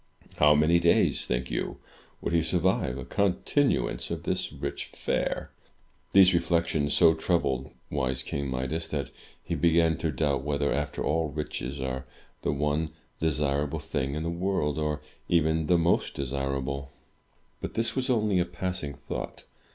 How many days, think you, would he survive a continuance of this rich fare? These reflections so troubled wise King Midas, that he began to doubt whether, after all, riches are the one desirable thing in the world, or even the most desirable. But this was only a passing thought.